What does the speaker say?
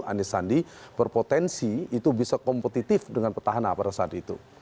anies sandi berpotensi itu bisa kompetitif dengan petahana pada saat itu